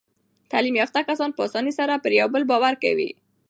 تعلیم یافته کسان په اسانۍ سره پر یو بل باور کوي.